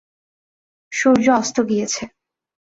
সূর্য অস্ত গিয়েছে।